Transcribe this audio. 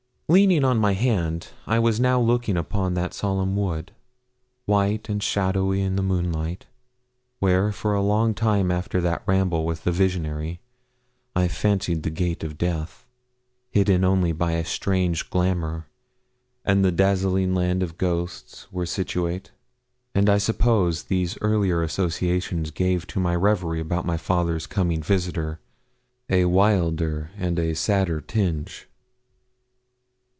Leaning on my hand, I was now looking upon that solemn wood, white and shadowy in the moonlight, where, for a long time after that ramble with the visionary, I fancied the gate of death, hidden only by a strange glamour, and the dazzling land of ghosts, were situate; and I suppose these earlier associations gave to my reverie about my father's coming visitor a wilder and a sadder tinge.